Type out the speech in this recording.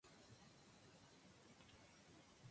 Jugaba como portero y su último equipo fue Botafogo.